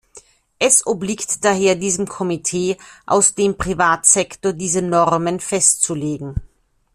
Es obliegt daher diesem Komitee aus dem Privatsektor, diese Normen festzulegen.